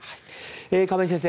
亀井先生